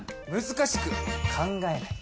難しく考えない。